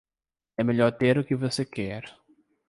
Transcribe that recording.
É melhor ter o que você quer.